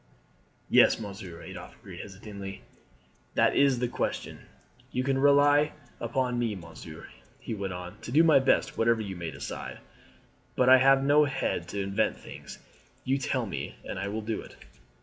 "Yes, monsieur," Adolphe agreed hesitatingly, "that is the question. You can rely upon me, monsieur," he went on, "to do my best whatever you may decide; but I have no head to invent things. You tell me and I will do it."